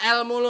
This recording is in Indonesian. habis tu diupap